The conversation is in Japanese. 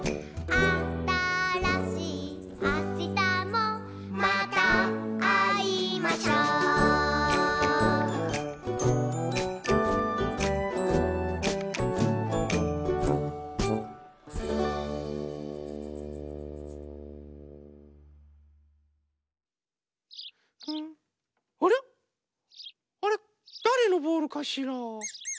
あれっ？だれのボールかしら？